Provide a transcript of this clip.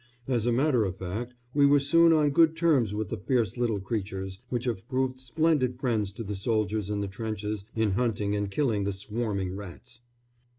As a matter of fact we were soon on good terms with the fierce little creatures, which have proved splendid friends to the soldiers in the trenches in hunting and killing the swarming rats.